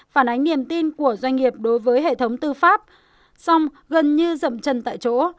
phản ánh niềm tin của doanh nghiệp đối với hệ thống tư pháp song gần như rậm chân tại chỗ